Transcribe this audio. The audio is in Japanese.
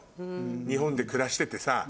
日本で暮らしててさ。